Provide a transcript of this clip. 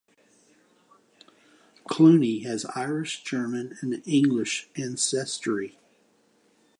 Clooney has Irish, German, and English ancestry.